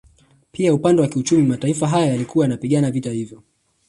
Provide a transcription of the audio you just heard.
Pia upande wa kiuchumi mataifa haya yalikuwa yanapigana vita hivyo